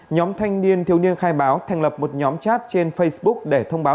nhóm thanh niên thiếu niên khai báo thành lập một nhóm chat trên facebook để thông báo